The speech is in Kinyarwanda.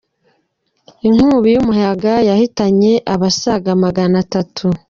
Inkubi y’umuyaga yahitanye abasaga maganatatu